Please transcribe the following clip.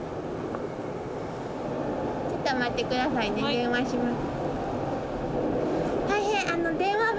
ちょっと待って下さいね電話します。